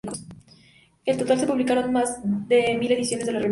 En total se publicaron más de mil ediciones de la revista.